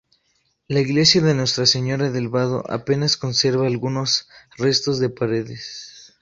La iglesia de Nuestra Señora del Vado apenas conserva algunos restos de paredes.